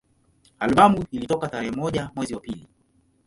Albamu ilitoka tarehe moja mwezi wa pili